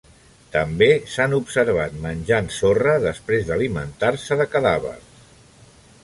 També s"han observat menjant sorra després d"alimentar-se de cadàvers.